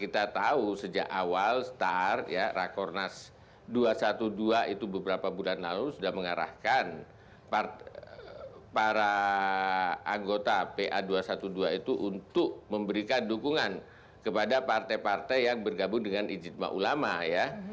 kita tahu sejak awal start ya rakornas dua ratus dua belas itu beberapa bulan lalu sudah mengarahkan para anggota pa dua ratus dua belas itu untuk memberikan dukungan kepada partai partai yang bergabung dengan ijtima ulama ya